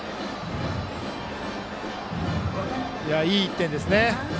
いい１点ですね。